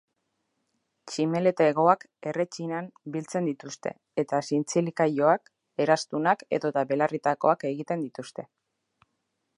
Tximeleta hegoak erretsinan biltzen dituzte eta zintzilikailoak, eraztunak edota belarritakoak egiten dituzte.